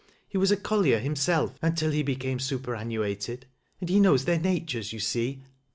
He was a collier himself until he became siperaruuatod, and he knows their natures, you see."